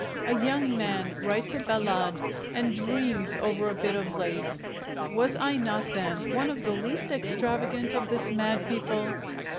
A young man writes a ballade and dreams over a bit of lace. Was I not, then, one of the least extravagant of this mad people?